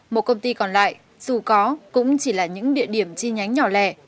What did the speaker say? một công ty còn lại dù có cũng chỉ là những địa điểm chi nhánh nhỏ lẻ